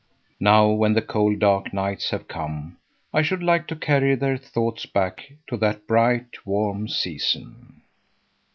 Now when the cold, dark nights have come, I should like to carry their thoughts back to that bright, warm season.